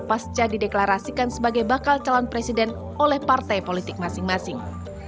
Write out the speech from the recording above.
pasca dideklarasikan sebagai bakal calon presiden oleh partai politik masing masing